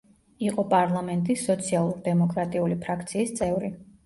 იყო პარლამენტის სოციალ-დემოკრატიული ფრაქციის წევრი.